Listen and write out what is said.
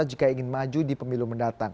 jika ingin maju di pemilu mendatang